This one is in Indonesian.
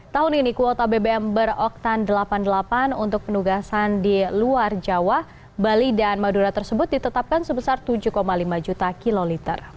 tahun ini kuota bbm beroktan delapan puluh delapan untuk penugasan di luar jawa bali dan madura tersebut ditetapkan sebesar tujuh lima juta kiloliter